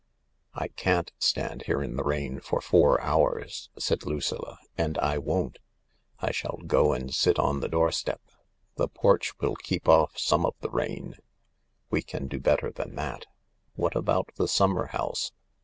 " I can't stand here in the rain for four hours," said Lucilla, "and I won't. I shall go and sit on the doorstep — thtf porch will keep off some of the rain." " We can do better than that. What about the summer house.